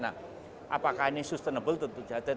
nah apakah ini sustainable tentu saja